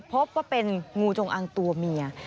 พบว่าเป็นงูจงอังตัวเมีย